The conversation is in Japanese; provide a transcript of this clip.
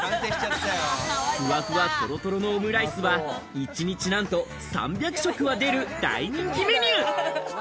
ふわふわトロトロのオムライスは、１日なんと３００食は出る大人気メニュー。